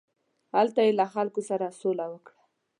هلته یې له خلکو سره سوله وکړه.